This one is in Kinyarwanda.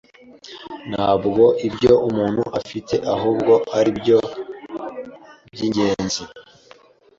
Ntabwo ibyo umuntu afite ahubwo aribyo aribyo byingenzi.